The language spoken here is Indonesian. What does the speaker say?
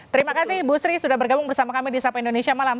terima kasih ibu sri sudah bergabung bersama kami di sapa indonesia malam